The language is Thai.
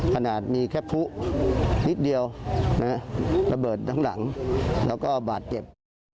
ขนาดมีแค่ผู้นิดเดียวระเบิดทั้งหลังแล้วก็บาดเจ็บ